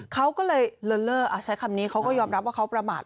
เขาก็เลยเลอใช้คำนี้เขาก็ยอมรับว่าเขาประมาท